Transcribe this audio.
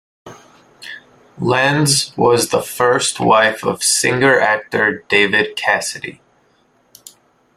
Lenz was the first wife of singer-actor David Cassidy.